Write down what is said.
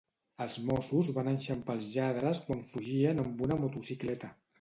Els Mossos van enxampar els lladres quan fugien amb una motocicleta.